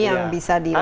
yang bisa dilakukan